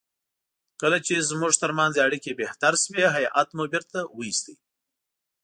کله چې زموږ ترمنځ اړیکې بهتر شوې هیات مو بیرته وایست.